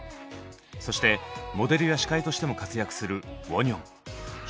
そしてモデルや司会としても活躍するウォニョン。